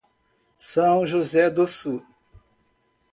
São José do Sul